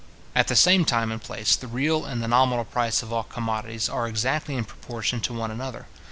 At the same time and place, the real and the nominal price of all commodities are exactly in proportion to one another.